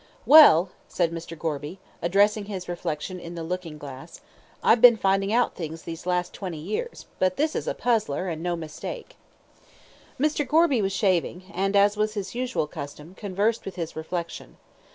"Well," said Mr. Gorby, addressing his reflection in the looking glass, "I've been finding out things these last twenty years, but this is a puzzler, and no mistake." Mr. Gorby was shaving, and, as was his usual custom, conversed with his reflection.